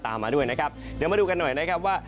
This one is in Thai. มาด้วยนะครับเดี๋ยวมาดูกันหน่อยนะครับว่า